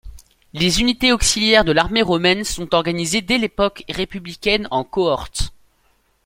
Les unités auxiliaires de l'armée romaine sont organisées dès l'époque républicaine en cohorte.